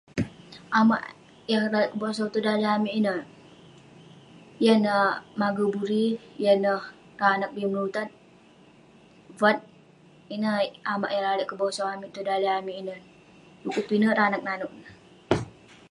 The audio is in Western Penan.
Amak yah lalek kebosau tong daleh amik ineh, yan neh mager buri, yan neh ireh anag bi melutat, vat. Ineh eh amak lalek kebosau amik tong daleh amik ineh. Dekuk pinek ireh anag nanouk neh.